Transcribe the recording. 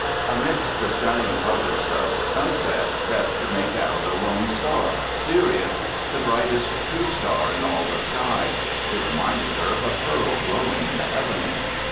Amidst the stunning colors of the sunset, Beth could make out a lone star—Sirius—the brightest true star in all the sky. It reminded her of a pearl glowing in the heavens.